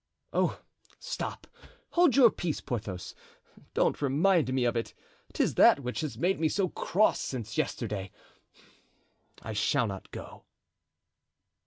"Ah! stop! hold your peace, Porthos, don't remind me of it; 'tis that which has made me so cross since yesterday. I shall not go."